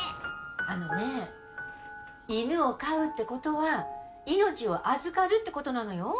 あのね犬を飼うってことは命を預かるってことなのよ